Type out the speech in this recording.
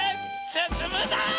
すすむぞ！